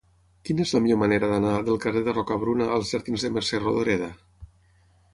Quina és la millor manera d'anar del carrer de Rocabruna als jardins de Mercè Rodoreda?